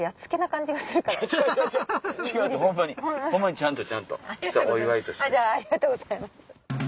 じゃあありがとうございます。